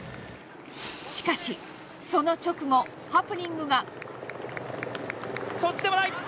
しかし、その直後ハプニングが。